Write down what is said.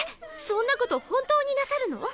そんなこと本当になさるの？